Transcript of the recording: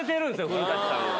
古さんが。